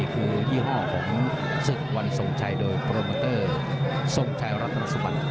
ของศึกวันทรงชัยโดยโปรโมเตอร์ทรงชัยรัฐทรงสุบัน